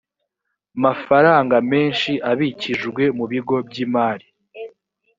mafaranga menshi abikijwe mu bigo by imari